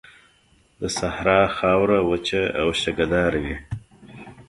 د صحرا خاوره وچه او شګهداره وي.